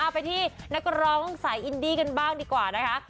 ไปที่นักร้องสายอินดี้กันบ้างดีกว่านะคะ